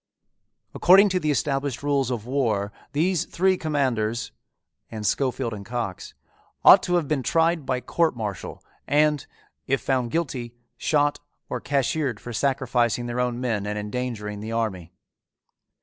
"According to the established rules of war these three commanders" and Schofield and Cox "ought to have been tried by court martial and, if found guilty, shot or cashiered for sacrificing their own men and endangering the army."